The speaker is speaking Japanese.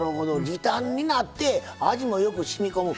時短になって味もよくしみこむ。